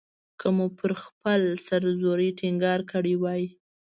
که مو پر خپلې سر زورۍ ټینګار کړی وای.